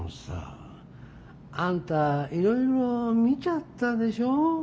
あんたいろいろ見ちゃったでしょ？